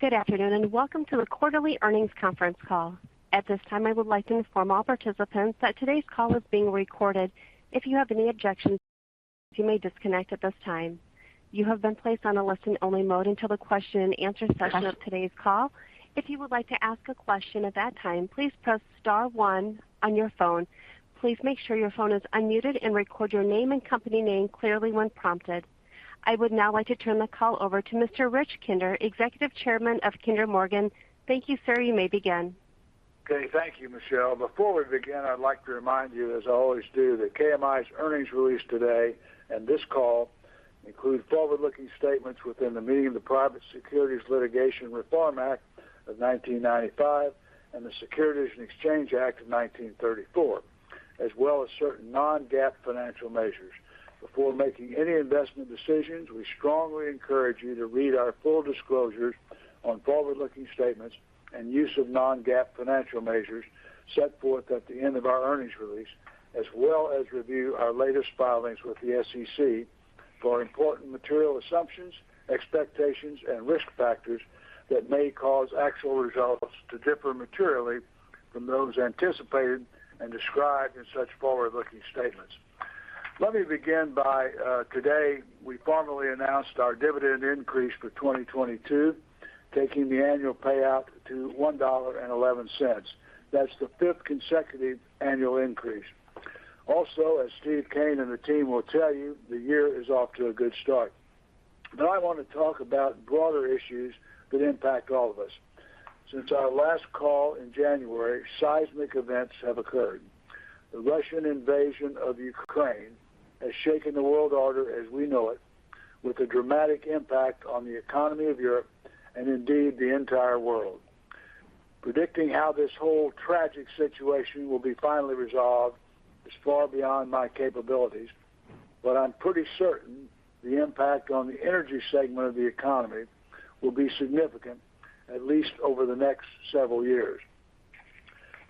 Good afternoon and welcome to the quarterly earnings conference call. At this time, I would like to inform all participants that today's call is being recorded. If you have any objections, you may disconnect at this time. You have been placed on a listen-only mode until the question and answer session of today's call. If you would like to ask a question at that time, please press star one on your phone. Please make sure your phone is unmuted, and record your name and company name clearly when prompted. I would now like to turn the call over to Mr. Rich Kinder, Executive Chairman of Kinder Morgan. Thank you, sir. You may begin. Okay. Thank you Michelle. Before we begin, I'd like to remind you, as I always do, that KMI's earnings release today and this call includes forward-looking statements within the meaning of the Private Securities Litigation Reform Act of 1995 and the Securities Exchange Act of 1934, as well as certain non-GAAP financial measures. Before making any investment decisions, we strongly encourage you to read our full disclosures on forward-looking statements and use of non-GAAP financial measures set forth at the end of our earnings release, as well as review our latest filings with the SEC for important material assumptions, expectations, and risk factors that may cause actual results to differ materially from those anticipated and described in such forward-looking statements. Let me begin by today, we formally announced our dividend increase for 2022, taking the annual payout to $1.11. That's the fifth consecutive annual increase. Also, as Steve Kean and the team will tell you, the year is off to a good start. Now I wanna talk about broader issues that impact all of us. Since our last call in January, seismic events have occurred. The Russian invasion of Ukraine has shaken the world order as we know it with a dramatic impact on the economy of Europe and indeed the entire world. Predicting how this whole tragic situation will be finally resolved is far beyond my capabilities, but I'm pretty certain the impact on the energy segment of the economy will be significant, at least over the next several years.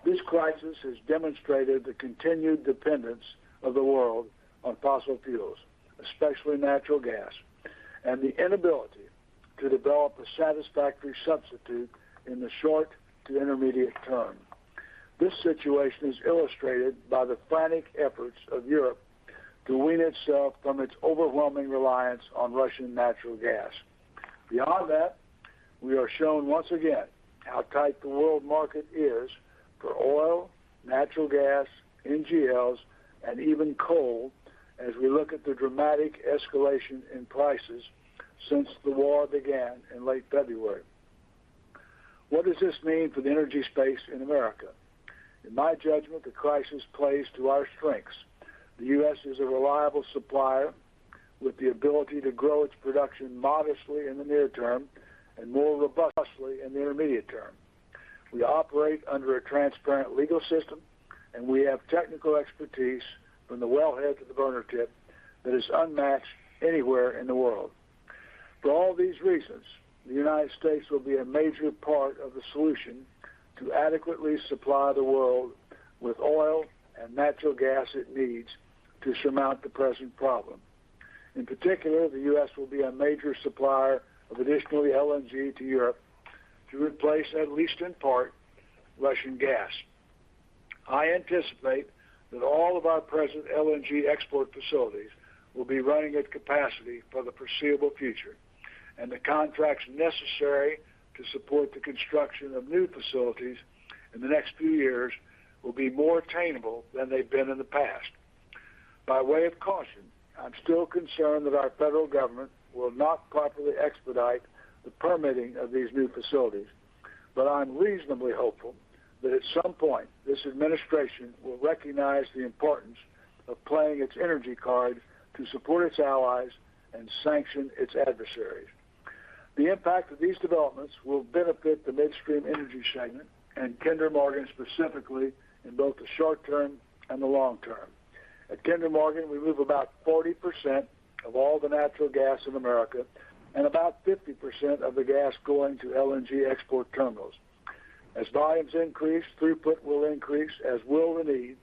This crisis has demonstrated the continued dependence of the world on fossil fuels, especially natural gas, and the inability to develop a satisfactory substitute in the short to intermediate term. This situation is illustrated by the frantic efforts of Europe to wean itself from its overwhelming reliance on Russian natural gas. Beyond that, we are shown once again how tight the world market is for oil, natural gas, NGLs, and even coal as we look at the dramatic escalation in prices since the war began in late February. What does this mean for the energy space in America? In my judgment, the crisis plays to our strengths. The U.S. is a reliable supplier with the ability to grow its production modestly in the near term and more robustly in the intermediate term. We operate under a transparent legal system, and we have technical expertise from the wellhead to the burner tip that is unmatched anywhere in the world. For all these reasons, the United States will be a major part of the solution to adequately supply the world with oil and natural gas it needs to surmount the present problem. In particular, the U.S. will be a major supplier of additional LNG to Europe to replace, at least in part, Russian gas. I anticipate that all of our present LNG export facilities will be running at capacity for the foreseeable future, and the contracts necessary to support the construction of new facilities in the next few years will be more attainable than they've been in the past. By way of caution, I'm still concerned that our federal government will not properly expedite the permitting of these new facilities. I'm reasonably hopeful that at some point, this administration will recognize the importance of playing its energy card to support its allies and sanction its adversaries. The impact of these developments will benefit the midstream energy segment and Kinder Morgan specifically in both the short term and the long term. At Kinder Morgan, we move about 40% of all the natural gas in America and about 50% of the gas going to LNG export terminals. As volumes increase, throughput will increase as will the need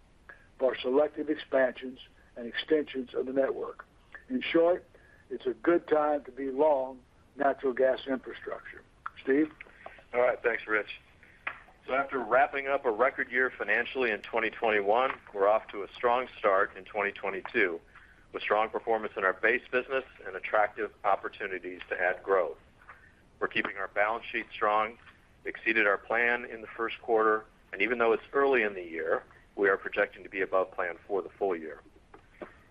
for selective expansions and extensions of the network. In short, it's a good time to be long natural gas infrastructure. Steve? All right. Thanks Rich. After wrapping up a record year financially in 2021, we're off to a strong start in 2022, with strong performance in our base business and attractive opportunities to add growth. We're keeping our balance sheet strong, exceeded our plan in the first quarter, and even though it's early in the year, we are projecting to be above plan for the full year.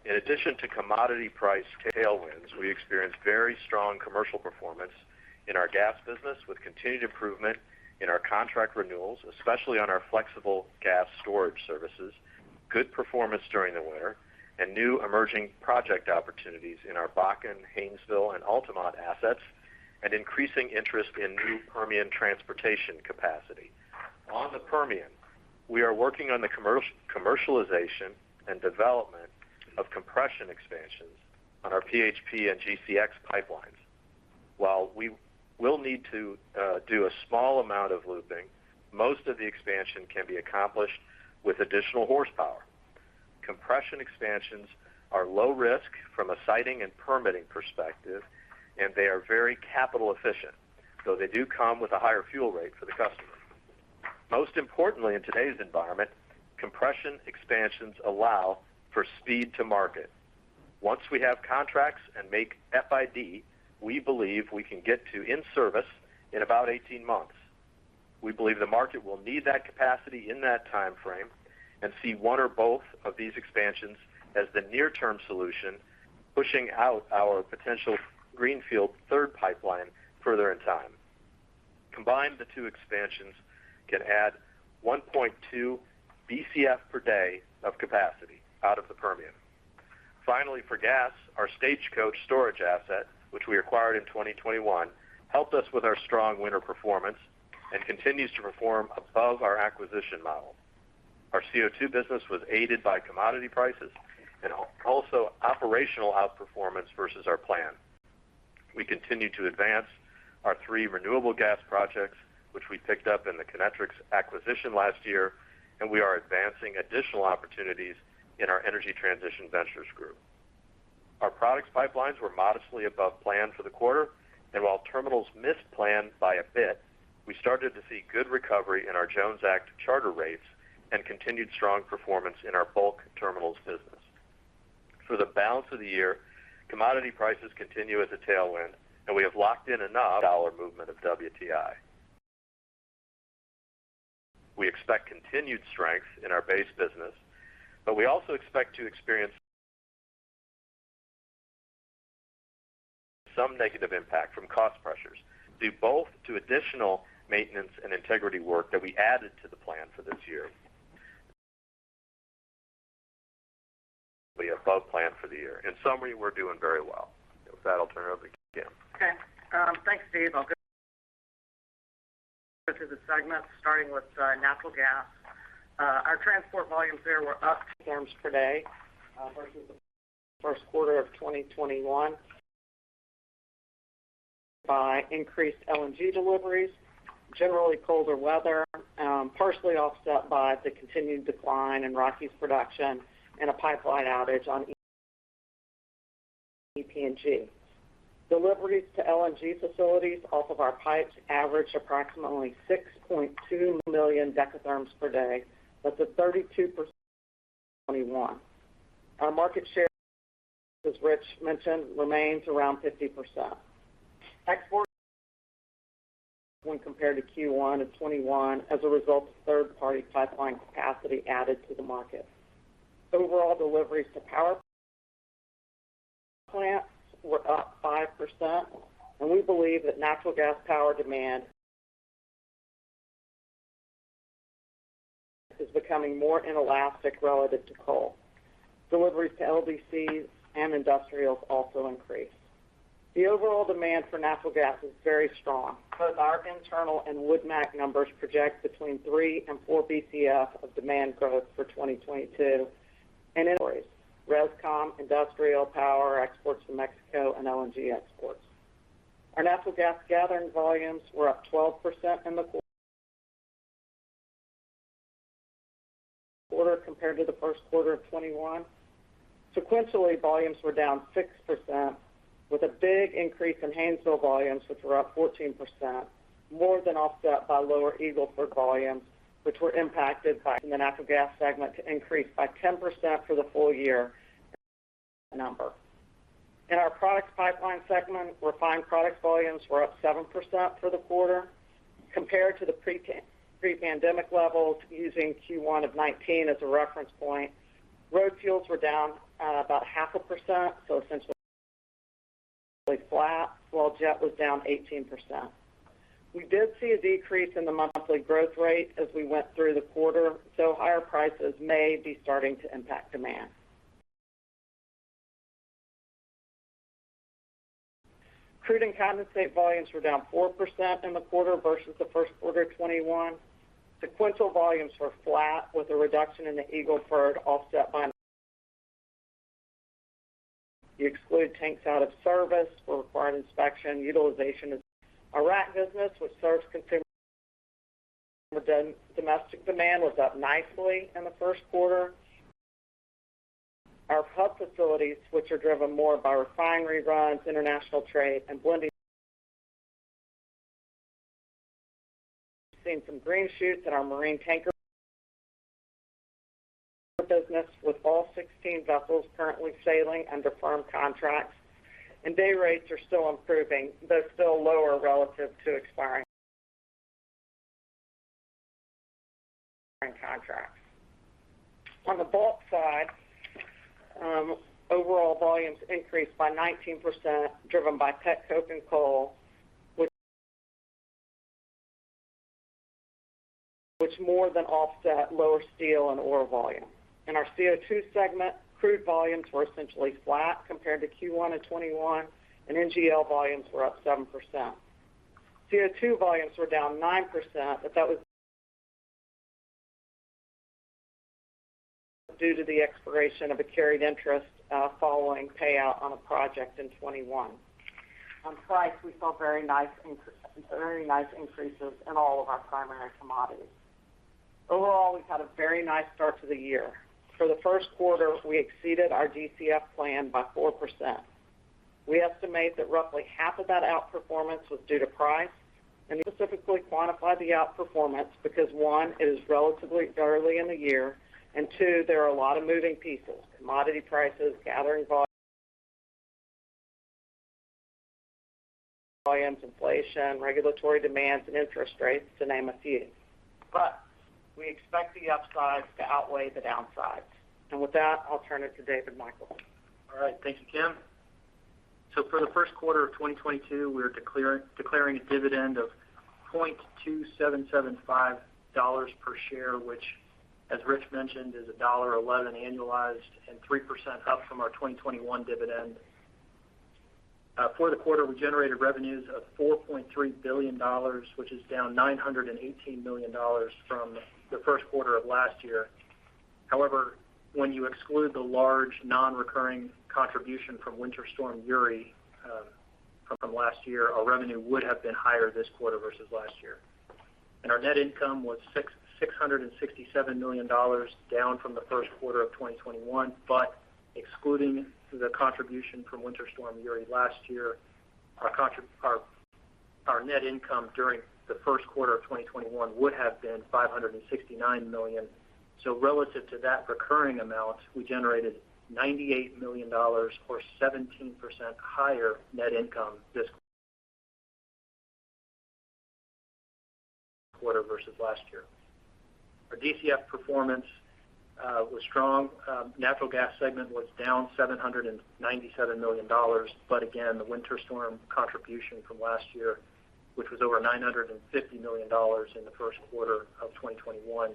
In addition to commodity price tailwinds, we experienced very strong commercial performance in our gas business with continued improvement in our contract renewals, especially on our flexible gas storage services, good performance during the winter, and new emerging project opportunities in our Bakken, Haynesville, and Altamont assets, and increasing interest in new Permian transportation capacity. On the Permian, we are working on the commercialization and development of compression expansions on our PHP and GCX pipelines. While we will need to do a small amount of looping, most of the expansion can be accomplished with additional horsepower. Compression expansions are low risk from a siting and permitting perspective, and they are very capital efficient, though they do come with a higher fuel rate for the customer. Most importantly, in today's environment, compression expansions allow for speed to market. Once we have contracts and make FID, we believe we can get to in-service in about 18 months. We believe the market will need that capacity in that time frame and see one or both of these expansions as the near-term solution pushing out our potential greenfield third pipeline further in time. Combined, the two expansions can add 1.2 BCF per day of capacity out of the Permian. Finally, for gas, our Stagecoach storage asset, which we acquired in 2021, helped us with our strong winter performance and continues to perform above our acquisition model. Our CO₂ business was aided by commodity prices and also operational outperformance versus our plan. We continue to advance our three renewable gas projects, which we picked up in the Kinetrex acquisition last year, and we are advancing additional opportunities in our energy transition ventures group. Our products pipelines were modestly above plan for the quarter, and while terminals missed plan by a bit, we started to see good recovery in our Jones Act charter rates and continued strong performance in our bulk terminals business. For the balance of the year, commodity prices continue as a tailwind, and we have locked in enough dollar movement of WTI. We expect continued strength in our base business, but we also expect to experience some negative impact from cost pressures due both to additional maintenance and integrity work that we added to the plan for this year above plan for the year. In summary, we're doing very well. With that, I'll turn it over to Kim. Okay. Thanks Steve. I'll go to the segments starting with natural gas. Our transport volumes there were up decatherms per day versus the first quarter of 2021 by increased LNG deliveries, generally colder weather, partially offset by the continued decline in Rockies production and a pipeline outage on EPNG. Deliveries to LNG facilities off of our pipes averaged approximately 6.2 million dekatherms per day, up to 32% 2021. Our market share, as Rich mentioned, remains around 50%. Exports when compared to Q1 of 2021 as a result of third-party pipeline capacity added to the market. Overall deliveries to power plants were up 5%, and we believe that natural gas power demand is becoming more inelastic relative to coal. Deliveries to LDCs and industrials also increased. The overall demand for natural gas is very strong. Both our internal and Wood Mac numbers project between 3 and 4 BCF of demand growth for 2022. It [worries] ResCom, industrial, power, exports to Mexico, and LNG exports. Our natural gas gathering volumes were up 12% in the quarter compared to the first quarter of 2021. Sequentially, volumes were down 6% with a big increase in Haynesville volumes, which were up 14%, more than offset by lower Eagle Ford volumes, which were impacted by in the natural gas segment to increase by 10% for the full year number. In our products pipeline segment, refined product volumes were up 7% for the quarter compared to the pre-pandemic levels using Q1 of 2019 as a reference point. Road fuels were down about 0.5%, so essentially flat, while jet was down 18%. We did see a decrease in the monthly growth rate as we went through the quarter, so higher prices may be starting to impact demand. Crude and condensate volumes were down 4% in the quarter versus the first quarter of 2021. Sequential volumes were flat with a reduction in the Eagle Ford offset by excluding tanks out of service or required inspection. Utilization is our rack business, which serves consumer domestic demand, was up nicely in the first quarter. Our hub facilities, which are driven more by refinery runs, international trade, and blending. We're seeing some green shoots in our marine tanker business with all 16 vessels currently sailing under firm contracts, and day rates are still improving, though still lower relative to expiring contracts. On the bulk side, overall volumes increased by 19% driven by petcoke and coal, which more than offset lower steel and oil volume. In our CO₂ segment, crude volumes were essentially flat compared to Q1 of 2021, and NGL volumes were up 7%. CO₂ volumes were down 9%, but that was due to the expiration of a carried interest following payout on a project in 2021. On price, we saw very nice increases in all of our primary commodities. Overall, we've had a very nice start to the year. For the first quarter, we exceeded our DCF plan by 4%. We estimate that roughly half of that outperformance was due to price, and specifically quantify the outperformance because one, it is relatively early in the year, and two, there are a lot of moving pieces, commodity prices, gathering volume, volumes, inflation, regulatory demands, and interest rates to name a few. We expect the upsides to outweigh the downsides. With that, I'll turn it to David Michels. Thank you Kim. For the first quarter of 2022, we're declaring a dividend of $0.2775 per share, which as Rich mentioned, is $1.11 annualized and 3% up from our 2021 dividend. For the quarter, we generated revenues of $4.3 billion, which is down $918 million from the first quarter of last year. However, when you exclude the large non-recurring contribution from Winter Storm Uri from last year, our revenue would have been higher this quarter versus last year. Our net income was $667 million down from the first quarter of 2021. Excluding the contribution from Winter Storm Uri last year, our net income during the first quarter of 2021 would have been $569 million. Relative to that recurring amount, we generated $98 million or 17% higher net income this quarter versus last year. Our DCF performance was strong. Natural gas segment was down $797 million. Again, the winter storm contribution from last year, which was over $950 million in the first quarter of 2021,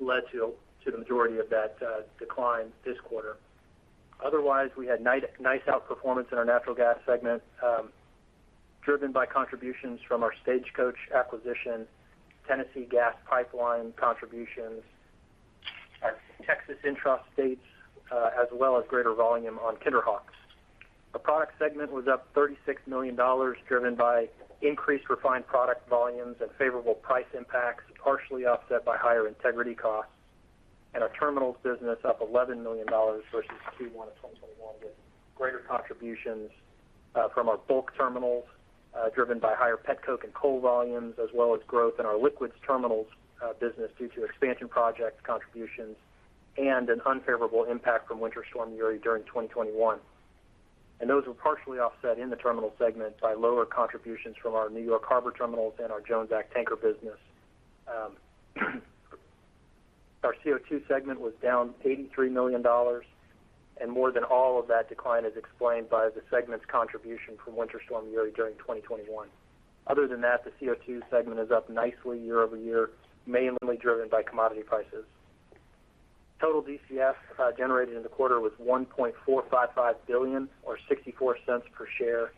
led to the majority of that decline this quarter. Otherwise, we had nice outperformance in our natural gas segment, driven by contributions from our Stagecoach acquisition, Tennessee Gas Pipeline contributions, our Texas intrastates, as well as greater volume on KinderHawk. The Products segment was up $36 million, driven by increased refined product volumes and favorable price impacts, partially offset by higher integrity costs. Our Terminals business up $11 million versus Q1 of 2021, with greater contributions from our bulk terminals, driven by higher petcoke and coal volumes, as well as growth in our liquids terminals business due to expansion project contributions and an unfavorable impact from Winter Storm Uri during 2021. Those were partially offset in the Terminals segment by lower contributions from our New York Harbor terminals and our Jones Act tanker business. Our CO₂ segment was down $83 million, and more than all of that decline is explained by the segment's contribution from Winter Storm Uri during 2021. Other than that, the CO₂ segment is up nicely year over year, mainly driven by commodity prices. Total DCF generated in the quarter was $1.455 billion or $0.64 per share.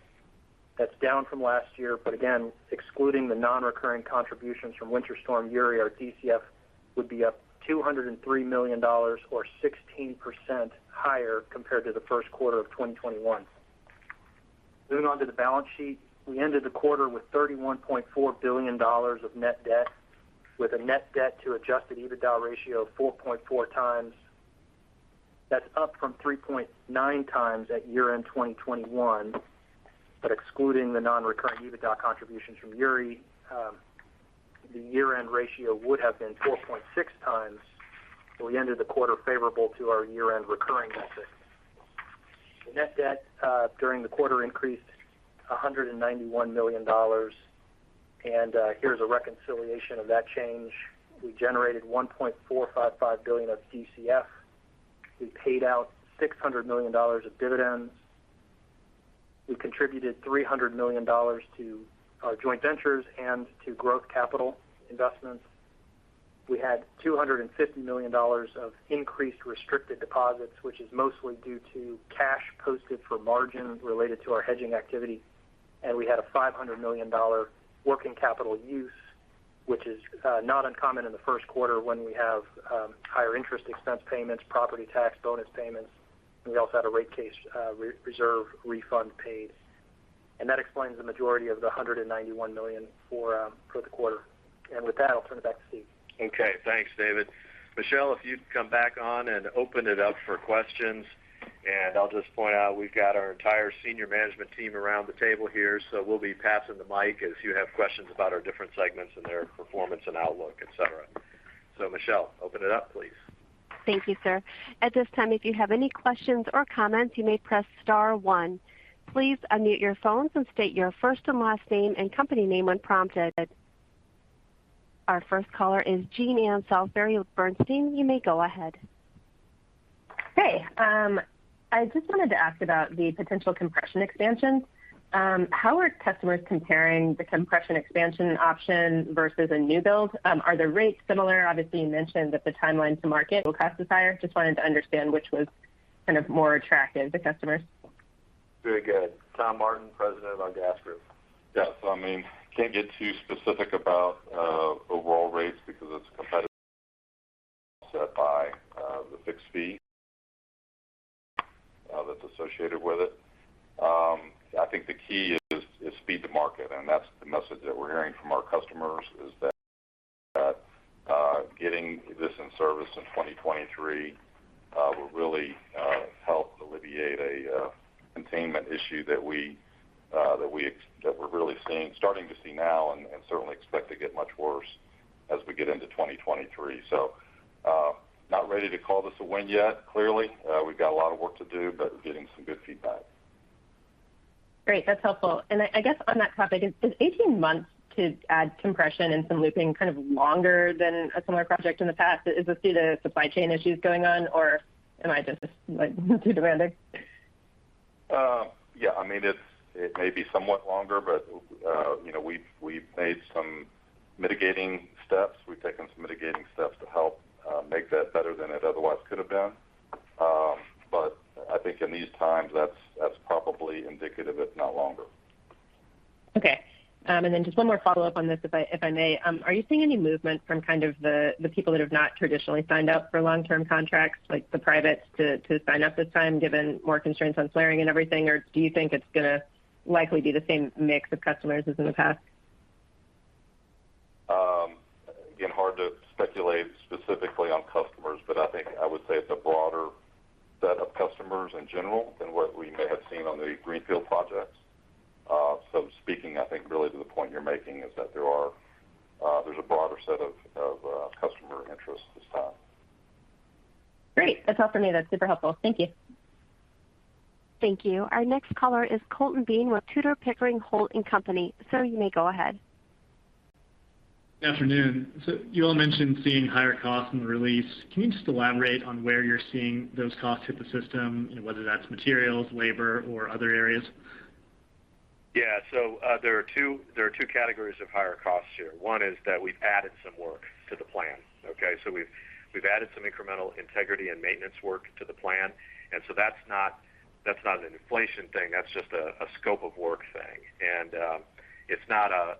That's down from last year, but again, excluding the non-recurring contributions from Winter Storm Uri, our DCF would be up $203 million or 16% higher compared to the first quarter of 2021. Moving on to the balance sheet, we ended the quarter with $31.4 billion of net debt, with a net debt to Adjusted EBITDA ratio of 4.4 times. That's up from 3.9 times at year-end 2021. But excluding the non-recurring EBITDA contributions from Uri, the year-end ratio would have been 4.6 times. We ended the quarter favorable to our year-end recurring metric. The net debt during the quarter increased $191 million, and here's a reconciliation of that change. We generated $1.455 billion of DCF. We paid out $600 million of dividends. We contributed $300 million to our joint ventures and to growth capital investments. We had $250 million of increased restricted deposits, which is mostly due to cash posted for margin related to our hedging activity. We had a $500 million working capital use, which is not uncommon in the first quarter when we have higher interest expense payments, property tax bonus payments, and we also had a rate case reserve refund paid. That explains the majority of the $191 million for the quarter. With that, I'll turn it back to Steve. Okay. Thanks David. Michelle, if you'd come back on and open it up for questions. I'll just point out we've got our entire senior management team around the table here, so we'll be passing the mic if you have questions about our different segments and their performance and outlook, etc. Michelle, open it up, please. Thank you sir. At this time, if you have any questions or comments, you may press star one. Please unmute your phones and state your first and last name and company name when prompted. Our first caller is Jean Ann Salisbury with Bernstein. You may go ahead. Hey. I just wanted to ask about the potential compression expansions. How are customers comparing the compression expansion option versus a new build? Are the rates similar? Obviously, you mentioned that the timeline to market will cost us higher. Just wanted to understand which was kind of more attractive to customers. Very good. Tom Martin, President of our gas group. Yeah. I mean, can't get too specific about overall rates because it's competitive. Set by the fixed fee that's associated with it. I think the key is speed to market, and that's the message that we're hearing from our customers is that getting this in service in 2023 will really help alleviate a containment issue that we're really starting to see now and certainly expect to get much worse as we get into 2023. Not ready to call this a win yet. Clearly, we've got a lot of work to do, but we're getting some good feedback. Great. That's helpful. I guess on that topic, is 18 months to add compression and some looping kind of longer than a similar project in the past? Is this due to supply chain issues going on, or am I just, like, too demanding? Yeah, I mean, it may be somewhat longer, but you know, we've made some mitigating steps. We've taken some mitigating steps to help make that better than it otherwise could have been. I think in these times that's probably indicative if not longer. Okay. Just one more follow-up on this if I may. Are you seeing any movement from kind of the people that have not traditionally signed up for long-term contracts, like the privates to sign up this time given more constraints on flaring and everything? Or do you think it's gonna likely be the same mix of customers as in the past? Again, hard to speculate specifically on customers, but I think I would say it's a broader set of customers in general than what we may have seen on the greenfield projects. Speaking, I think really to the point you're making is that there's a broader set of customer interest this time. Great. That's all for me. That's super helpful. Thank you. Thank you. Our next caller is Colton Bean with Tudor, Pickering, Holt & Co. Sir, you may go ahead. Good afternoon. You all mentioned seeing higher costs in the release. Can you just elaborate on where you're seeing those costs hit the system, you know, whether that's materials, labor or other areas? There are two categories of higher costs here. One is that we've added some incremental integrity and maintenance work to the plan. That's not an inflation thing. That's just a scope of work thing. It's not a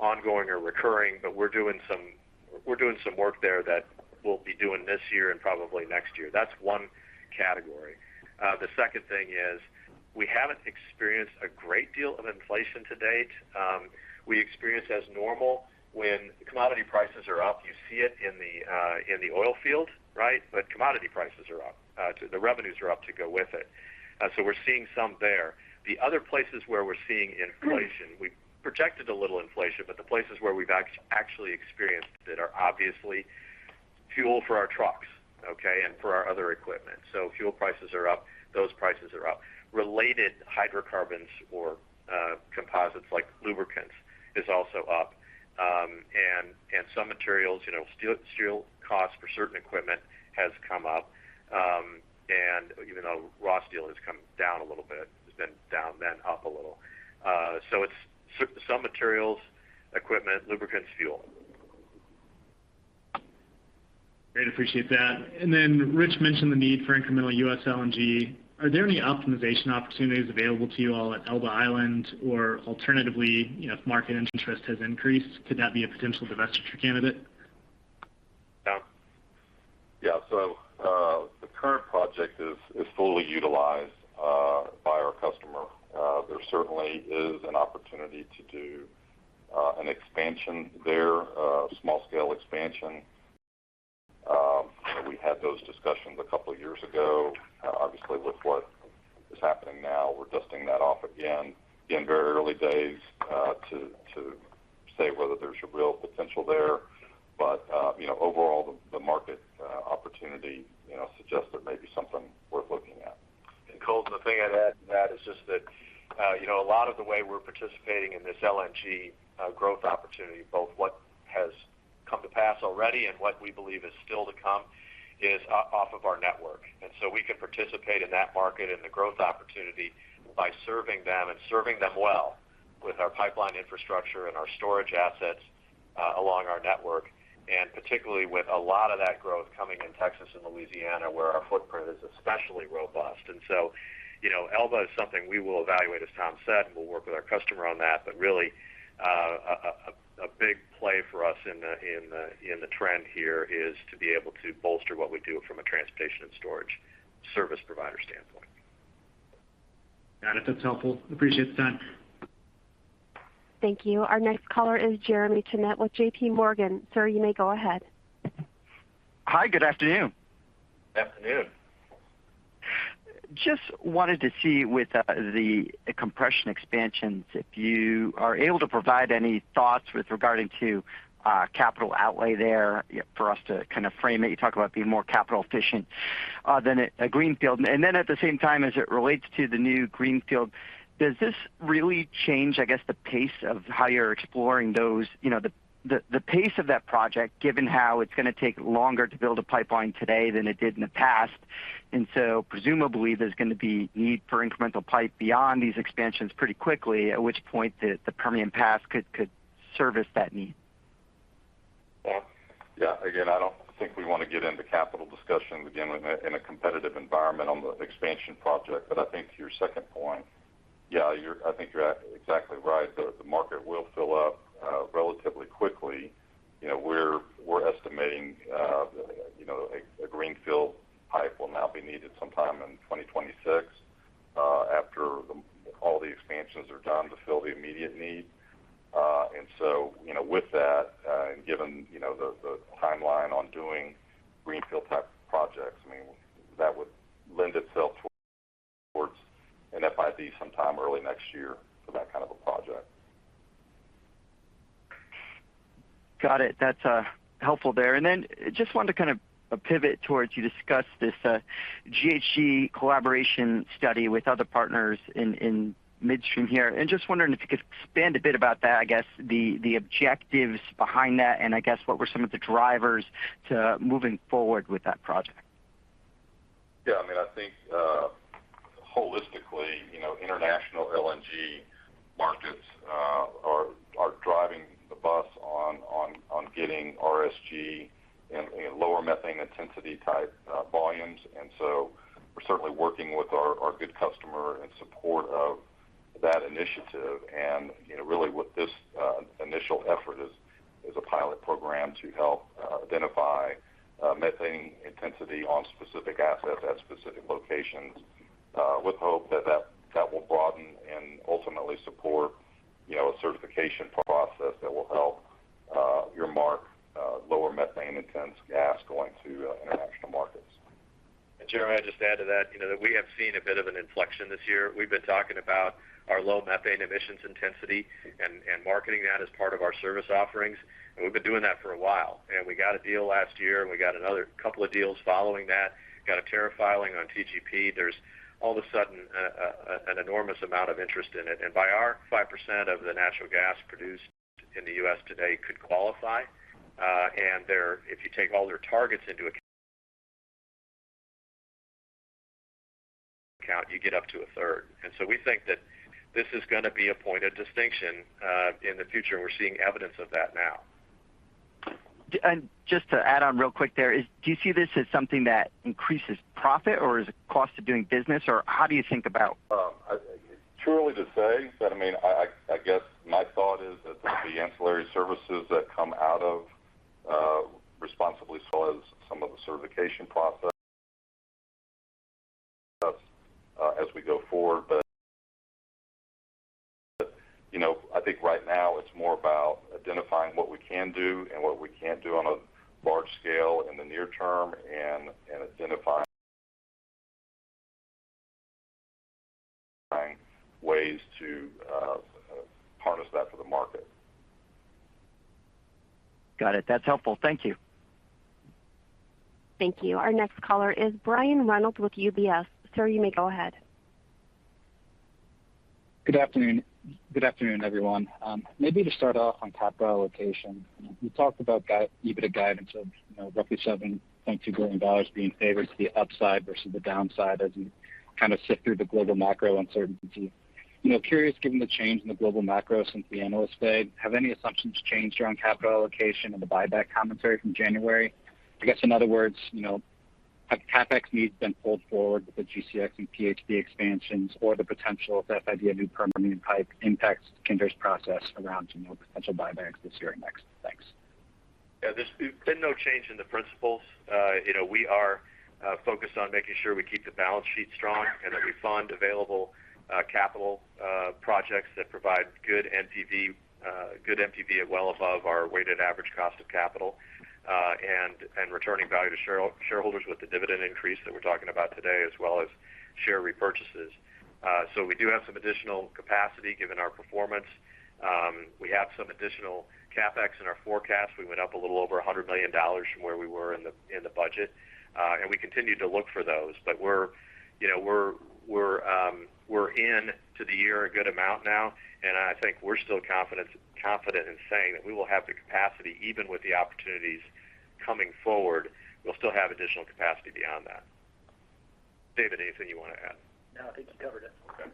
ongoing or recurring, but we're doing some work there that we'll be doing this year and probably next year. That's one category. The second thing is we haven't experienced a great deal of inflation to date. We experience as normal when commodity prices are up. You see it in the oil field, right? Commodity prices are up. The revenues are up to go with it. We're seeing some there. The other places where we're seeing inflation, we've projected a little inflation, but the places where we've actually experienced it are obviously fuel for our trucks, okay? For our other equipment. Fuel prices are up. Those prices are up. Related hydrocarbons or composites like lubricants is also up. Some materials, you know, steel costs for certain equipment has come up. Even though raw steel has come down a little bit, it's been down then up a little. It's some materials, equipment, lubricants, fuel. Great. Appreciate that. Rich mentioned the need for incremental U.S. LNG. Are there any optimization opportunities available to you all at Elba Island or alternatively, you know, if market interest has increased, could that be a potential divestiture candidate? The current project is fully utilized by our customer. There certainly is an opportunity to do an expansion there, small scale expansion. We had those discussions a couple years ago. Obviously with what is happening now, we're dusting that off again. Again, very early days to say whether there's real potential there. You know, overall the market opportunity you know suggests there may be something worth looking at. Colton, the thing I'd add to that is just that you know, a lot of the way we're participating in this LNG growth opportunity, both what has come to pass already and what we believe is still to come is off of our network. We can participate in that market and the growth opportunity by serving them and serving them well with our pipeline infrastructure and our storage assets along our network. Particularly with a lot of that growth coming in Texas and Louisiana, where our footprint is especially robust. You know, Elba is something we will evaluate, as Tom said, and we'll work with our customer on that. Really, a big play for us in the trend here is to be able to bolster what we do from a transportation and storage service provider standpoint. Got it. That's helpful. Appreciate the time. Thank you. Our next caller is Jeremy Tonet with J.P. Morgan. Sir, you may go ahead. Hi good afternoon. Afternoon. Just wanted to see with the compression expansions, if you are able to provide any thoughts with regard to capital outlay there for us to kind of frame it. You talk about being more capital efficient than a greenfield. At the same time as it relates to the new greenfield, does this really change, I guess, the pace of how you're exploring those? You know, the pace of that project, given how it's gonna take longer to build a pipeline today than it did in the past. Presumably there's gonna be need for incremental pipe beyond these expansions pretty quickly, at which point the Permian PHP could service that need. Yeah. Yeah. Again, I don't think we wanna get into capital discussions again in a competitive environment on the expansion project. I think to your second point. Yeah, I think you're exactly right. The market will fill up relatively quickly. You know, we're estimating a greenfield pipe will now be needed sometime in 2026 after all the expansions are done to fill the immediate need. You know, with that and given the timeline on doing greenfield type projects, I mean, that would lend itself towards and that might be sometime early next year for that kind of a project. Got it. That's helpful there. Just wanted to kind of pivot towards you discussed this GHG collaboration study with other partners in midstream here. Just wondering if you could expand a bit about that. I guess the objectives behind that, and I guess what were some of the drivers to moving forward with that project? Yeah, I mean, I think holistically, you know, international LNG markets are driving the bus on getting RSG and lower methane intensity type volumes. You know, really what this initial effort is is a pilot program to help identify methane intensity on specific assets at specific locations with hope that will broaden and ultimately support, you know, a certification process that will help earmark lower methane intense gas going to international markets. Jeremy, I'd just add to that, you know, that we have seen a bit of an inflection this year. We've been talking about our low methane emissions intensity and marketing that as part of our service offerings, and we've been doing that for a while. We got a deal last year, and we got another couple of deals following that. We got a tariff filing on TGP. There's all of a sudden an enormous amount of interest in it. By our estimate, 5% of the natural gas produced in the U.S. today could qualify. If you take all their targets into account, you get up to a third. We think that this is gonna be a point of distinction in the future, and we're seeing evidence of that now. Just to add on real quick there. Do you see this as something that increases profit or is it cost of doing business? Or how do you think about- It's too early to say. I mean, I guess my thought is that the ancillary services that come out of responsibly sourced some of the certification process as we go forward. You know, I think right now it's more about identifying what we can do and what we can't do on a large scale in the near term and identifying ways to harness that for the market. Got it. That's helpful. Thank you. Thank you. Our next caller is Brian Reynolds with UBS. Sir you may go ahead. Good afternoon. Good afternoon everyone. Maybe to start off on capital allocation. You talked about EBITDA guidance of, you know, roughly $7.2 billion being favored to the upside versus the downside as you kind of sift through the global macro uncertainty. You know, curious, given the change in the global macro since the analyst day, have any assumptions changed around capital allocation and the buyback commentary from January? I guess in other words, you know, have CapEx needs been pulled forward with the GCX and PHP expansions or the potential if FID a new Permian pipe impacts Kinder's process around, you know, potential buybacks this year and next? Thanks. Yeah. There's been no change in the principles. You know, we are focused on making sure we keep the balance sheet strong and that we fund available capital projects that provide good NPV at well above our weighted average cost of capital. Returning value to shareholders with the dividend increase that we're talking about today as well as share repurchases. We do have some additional capacity given our performance. We have some additional CapEx in our forecast. We went up a little over $100 million from where we were in the budget, and we continue to look for those. We're, you know, into the year a good amount now, and I think we're still confident in saying that we will have the capacity, even with the opportunities coming forward. We'll still have additional capacity beyond that. David, anything you wanna add? No, I think you covered it. Okay.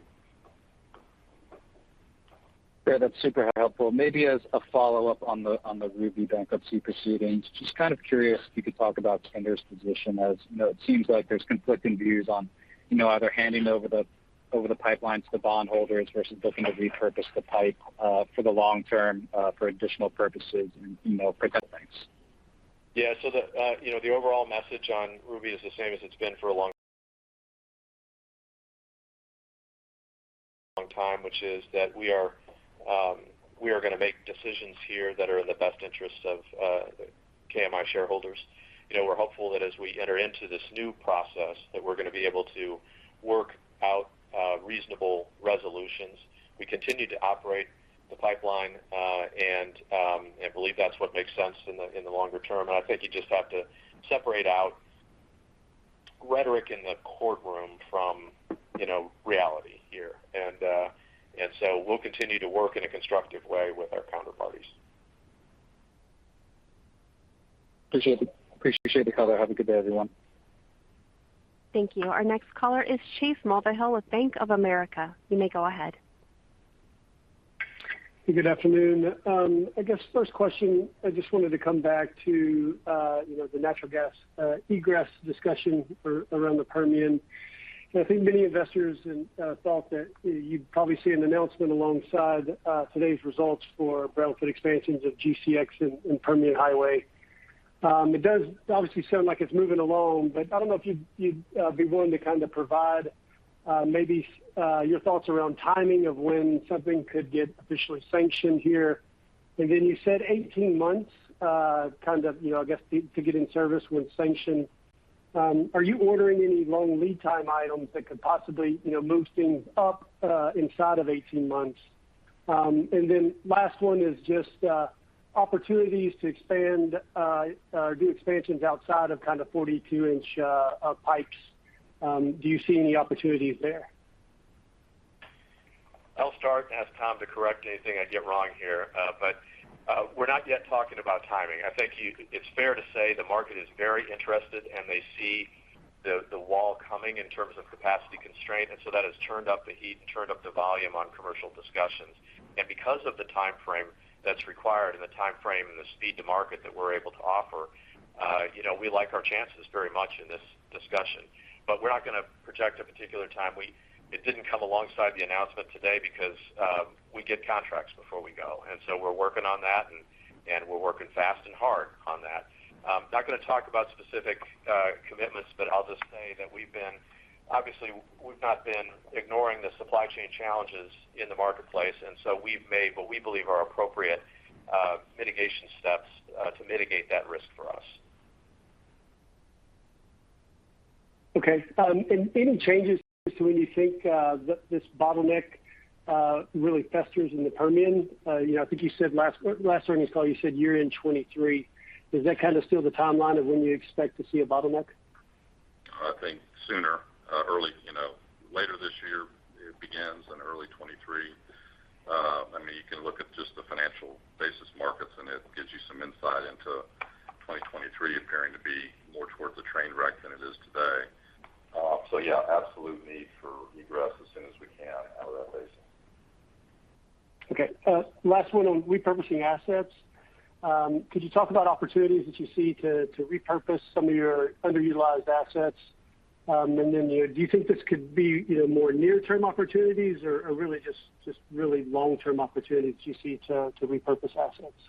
Yeah, that's super helpful. Maybe as a follow-up on the Ruby bankruptcy proceedings. Just kind of curious if you could talk about Kinder's position as, you know, it seems like there's conflicting views on, you know, either handing over the pipeline to the bond holders versus looking to repurpose the pipe for the long term for additional purposes and, you know, protecting things. Yeah. The overall message on Ruby is the same as it's been for a long time, which is that we are gonna make decisions here that are in the best interest of KMI shareholders. You know, we're hopeful that as we enter into this new process, that we're gonna be able to work out reasonable resolutions. We continue to operate the pipeline and believe that's what makes sense in the longer term. I think you just have to separate out rhetoric in the courtroom from reality here. We'll continue to work in a constructive way with our counterparties. Appreciate the color. Have a good day, everyone. Thank you. Our next caller is Chase Mulvehill with Bank of America. You may go ahead. Good afternoon. I guess first question, I just wanted to come back to, you know, the natural gas egress discussion around the Permian. I think many investors thought that you'd probably see an announcement alongside today's results for brownfield expansions of GCX and Permian Highway. It does obviously sound like it's moving along, but I don't know if you'd be willing to kind of provide maybe your thoughts around timing of when something could get officially sanctioned here. Then you said 18 months, kind of, you know, I guess to get in service when sanctioned. Are you ordering any long lead time items that could possibly, you know, move things up inside of 18 months? Last one is just opportunities to expand or do expansions outside of kind of 42-inch pipes. Do you see any opportunities there? I'll start and ask Tom to correct anything I get wrong here. We're not yet talking about timing. I think it's fair to say the market is very interested, and they see the wall coming in terms of capacity constraint. That has turned up the heat and turned up the volume on commercial discussions. Because of the timeframe that's required and the timeframe and the speed to market that we're able to offer, you know, we like our chances very much in this discussion. We're not gonna project a particular time. It didn't come alongside the announcement today because we get contracts before we go. We're working on that and we're working fast and hard on that. Not gonna talk about specific commitments, but I'll just say that obviously we've not been ignoring the supply chain challenges in the marketplace, and so we've made what we believe are appropriate mitigation steps to mitigate that risk for us. Okay. Any changes to when you think this bottleneck really festers in the Permian? You know, I think you said last earnings call you said year-end 2023. Is that kind of still the timeline of when you expect to see a bottleneck? I think sooner. Early, you know, later this year it begins, in early 2023. I mean, you can look at just the financial basis markets and it gives you some insight into 2023 appearing to be more towards a train wreck than it is today. So yeah, absolute need for egress as soon as we can out of that basin. Okay. Last one on repurposing assets. Could you talk about opportunities that you see to repurpose some of your underutilized assets? And then, you know, do you think this could be, you know, more near term opportunities or really just long-term opportunities you see to repurpose assets?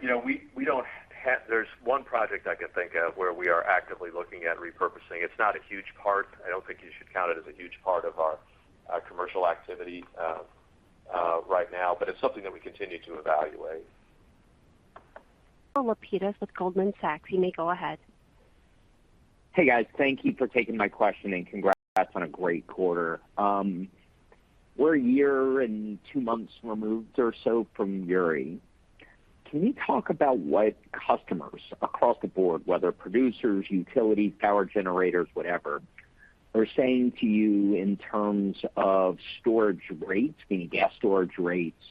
You know, we don't. There's one project I can think of where we are actively looking at repurposing. It's not a huge part. I don't think you should count it as a huge part of our commercial activity right now, but it's something that we continue to evaluate. Michael Lapides with Goldman Sachs, you may go ahead. Hey, guys. Thank you for taking my question and congrats on a great quarter. We're a year and two months removed or so from Uri. Can you talk about what customers across the board, whether producers, utilities, power generators, whatever, are saying to you in terms of storage rates, meaning gas storage rates,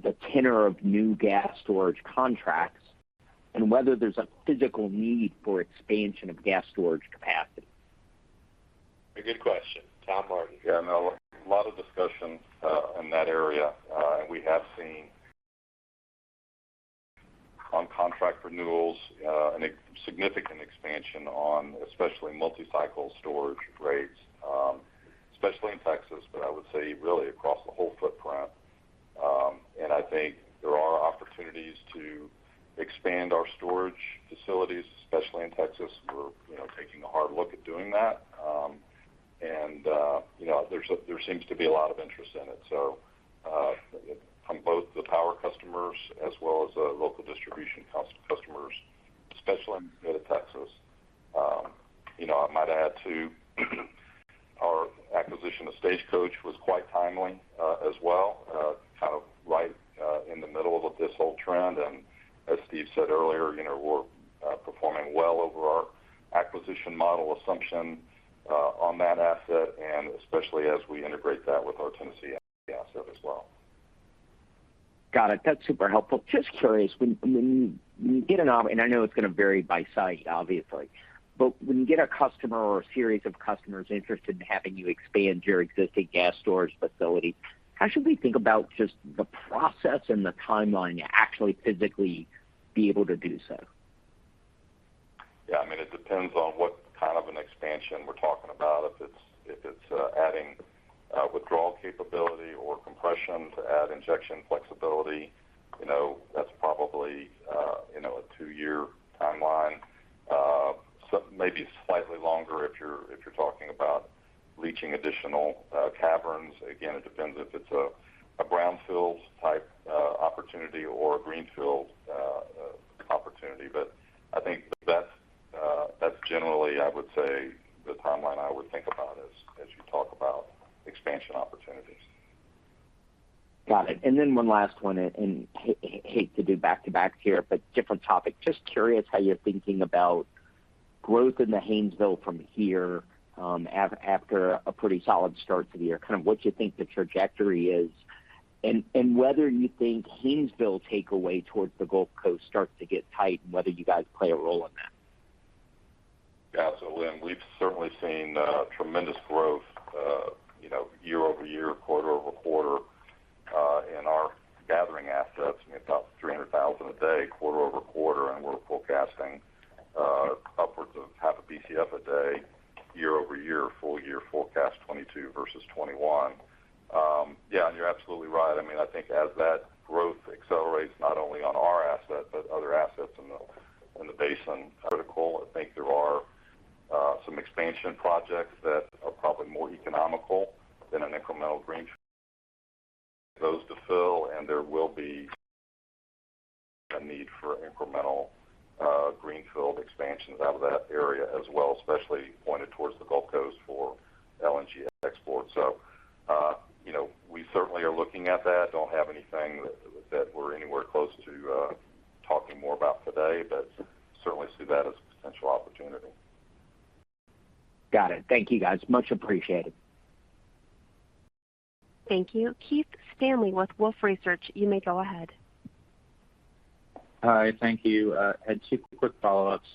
the tenor of new gas storage contracts, and whether there's a physical need for expansion of gas storage capacity? A good question. Tom Martin. Yeah, no, a lot of discussions in that area. We have seen on contract renewals and a significant expansion on especially multi-cycle storage rates, especially in Texas, but I would say really across the whole footprint. I think there are opportunities to expand our storage facilities, especially in Texas. We're, you know, taking a hard look at doing that. You know, there seems to be a lot of interest in it. From both the power customers as well as local distribution customers, especially in the state of Texas. You know, I might add, too, our acquisition of Stagecoach was quite timely, as well, kind of right in the middle of this whole trend. As Steve said earlier, you know, we're performing well over our acquisition model assumption on that asset, and especially as we integrate that with our Tennessee asset as well. Got it. That's super helpful. Just curious, when you get and I know it's gonna vary by site obviously. When you get a customer or a series of customers interested in having you expand your existing gas storage facility, how should we think about just the process and the timeline to actually physically be able to do so? Yeah, I mean, it depends on what kind of an expansion we're talking about. If it's adding withdrawal capability or compression to add injection flexibility, you know, that's probably, you know, a 2-year timeline. Maybe slightly longer if you're talking about leaching additional caverns. Again, it depends if it's a brownfields type opportunity or a greenfield opportunity. I think that's generally, I would say, the timeline I would think about as you talk about expansion opportunities. Got it. Then one last one, hate to do back-to-back here, but different topic. Just curious how you're thinking about growth in the Haynesville from here, after a pretty solid start to the year, kind of what you think the trajectory is and whether you think Haynesville takeaway towards the Gulf Coast starts to get tight and whether you guys play a role in that. Yeah. Lynn, we've certainly seen tremendous growth, you know, year-over-year, quarter-over-quarter, in our gathering assets. I mean, about 300,000 a day, quarter-over-over. We're forecasting upwards of half a BCF a day, year-over-year, full year forecast 2022 versus 2021. Yeah, you're absolutely right. I mean, I think as that growth accelerates not only on our asset but other assets in the basin. Critical, I think there are some expansion projects that are probably more economical than an incremental greenfield. Those to fill, and there will be a need for incremental greenfield expansions out of that area as well, especially pointed towards the Gulf Coast for LNG exports. You know, we certainly are looking at that. Don't have anything that we're anywhere close to talking more about today, but certainly see that as a potential opportunity. Got it. Thank you, guys. Much appreciated. Thank you. Keith Stanley with Wolfe Research. You may go ahead. Hi. Thank you. I had two quick follow-ups.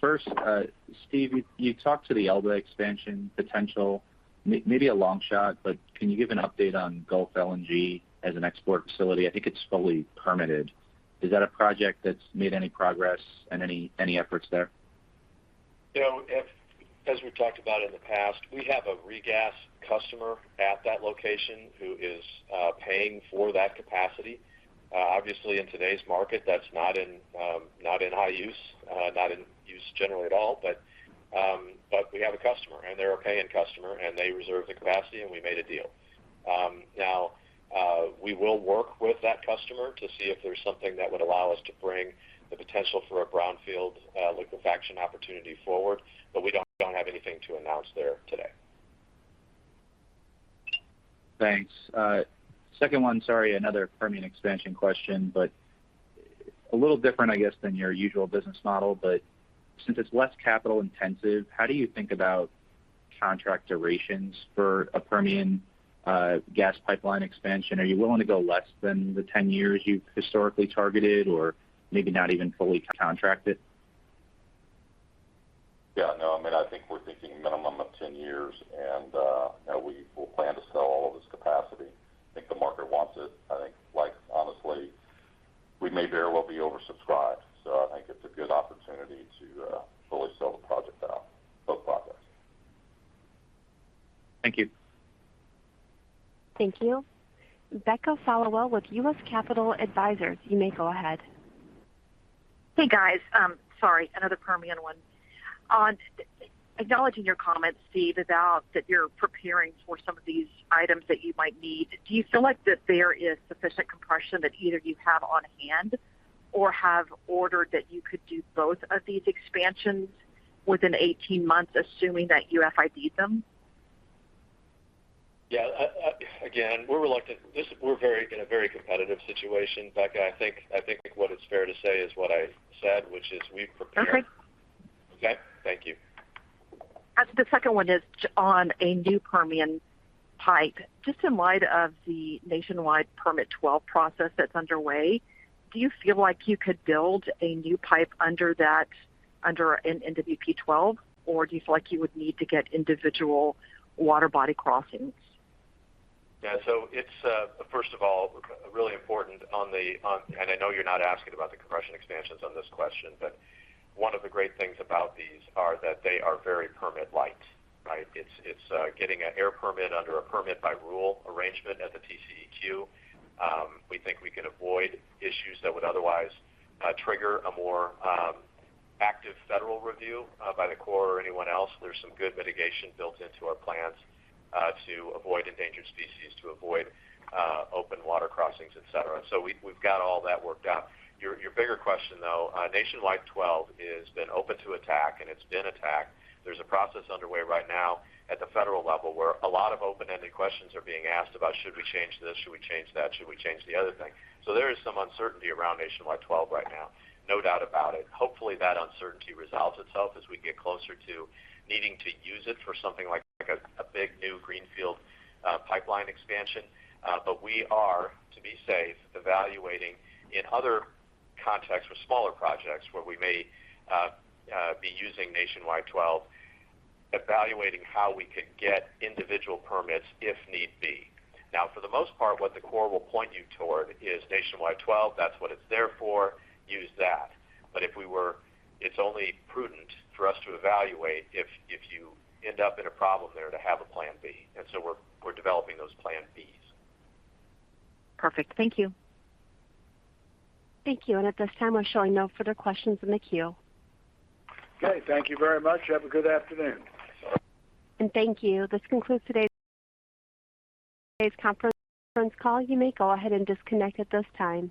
First, Steve, you talked about the Elba expansion potential. Maybe a long shot, but can you give an update on Gulf LNG as an export facility? I think it's fully permitted. Is that a project that's made any progress and any efforts there? You know, as we've talked about in the past, we have a regas customer at that location who is paying for that capacity. Obviously in today's market, that's not in high use, not in use generally at all. We have a customer, and they're a paying customer, and they reserve the capacity, and we made a deal. Now, we will work with that customer to see if there's something that would allow us to bring the potential for a brownfield liquefaction opportunity forward, but we don't have anything to announce there today. Thanks. Second one, sorry, another Permian expansion question, but a little different, I guess, than your usual business model. Since it's less capital intensive, how do you think about contract durations for a Permian gas pipeline expansion? Are you willing to go less than the 10 years you've historically targeted or maybe not even fully contract it? Yeah, no, I mean, I think we're thinking minimum of 10 years. You know, we will plan to sell all of this capacity. I think the market wants it. I think, like, honestly, we may very well be oversubscribed. I think it's a good opportunity to fully sell the project out. Both projects. Thank you. Thank you. Becca Followill with U.S. Capital Advisors, you may go ahead. Hey guys. Sorry, another Permian one. Acknowledging your comments, Steve, about that you're preparing for some of these items that you might need. Do you feel like that there is sufficient compression that either you have on hand or have ordered that you could do both of these expansions within 18 months, assuming that you FID them? Yeah. Again, we're reluctant. We're in a very competitive situation. Becca, I think what is fair to say is what I said, which is we've prepared. Okay. Okay? Thank you. The second one is on a new Permian pipe. Just in light of the Nationwide Permit 12 process that's underway, do you feel like you could build a new pipe under an NWP 12, or do you feel like you would need to get individual water body crossings? Yeah, it's first of all really important. I know you're not asking about the compression expansions on this question, but one of the great things about these are that they are very permit light, right? It's getting an air permit under a permit by rule arrangement at the TCEQ. We think we can avoid issues that would otherwise trigger a more active federal review by the Corps or anyone else. There's some good mitigation built into our plans to avoid endangered species, to avoid open water crossings, etc. We've got all that worked out. Your bigger question, though, Nationwide 12 has been open to attack, and it's been attacked. There's a process underway right now at the federal level where a lot of open-ended questions are being asked about should we change this? Should we change that? Should we change the other thing? There is some uncertainty around Nationwide Twelve right now, no doubt about it. Hopefully, that uncertainty resolves itself as we get closer to needing to use it for something like a big new greenfield pipeline expansion. We are, to be safe, evaluating in other contexts with smaller projects where we may be using Nationwide Twelve, evaluating how we could get individual permits if need be. Now, for the most part, what the Corps will point you toward is Nationwide 12. That's what it's there for. Use that. It's only prudent for us to evaluate if you end up in a problem there to have a plan B. We're developing those plan Bs. Perfect. Thank you. Thank you. At this time, we're showing no further questions in the queue. Okay. Thank you very much. Have a good afternoon. Thank you. This concludes today's conference call. You may go ahead and disconnect at this time.